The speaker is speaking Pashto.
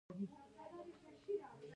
آیا دا د ژبې خدمت نه دی؟